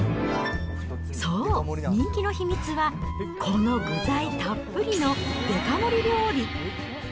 そう、人気の秘密はこの具材たっぷりのデカ盛り料理。